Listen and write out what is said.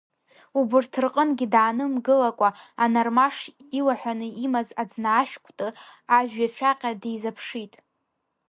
Убырҭ рҟынгьы даанымгылакәа, анармаш илаҳәаны имаз аӡнаашә кәты ажәҩашәаҟьа дизаԥшит.